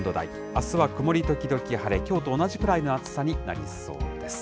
あすは曇り時々晴れ、きょうと同じくらいの暑さになりそうです。